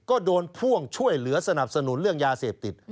ก็โดนพ่วงช่วยเหลือสนับสนุนเรื่องยาเสพติด